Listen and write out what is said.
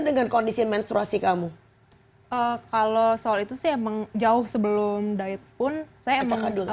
dengan kondisi menstruasi kamu kalau soal itu sih emang jauh sebelum diet pun saya emang